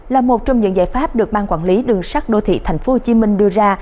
là một trong những giải pháp được ban quản lý đường sắt đô thị tp hcm đưa ra